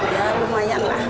ya lumayan lah